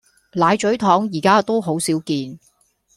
奶咀糖而家都好少見